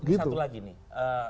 satu lagi nih